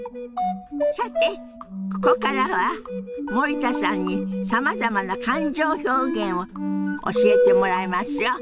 さてここからは森田さんにさまざまな感情表現を教えてもらいますよ。